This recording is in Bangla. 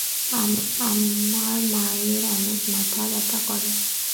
আমার মায়ের অনেক মাথা ব্যথা করে।